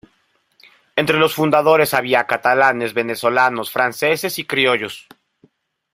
Entre los fundadores había catalanes, venezolanos, franceses y criollos.